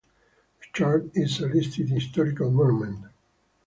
The church is a listed historical monument.